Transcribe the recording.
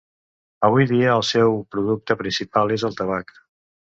Avui dia, el seu producte principal és el tabac.